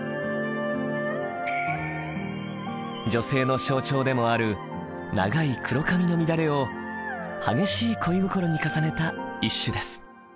女性の象徴でもある「長い黒髪」の乱れを激しい恋心に重ねた一首です。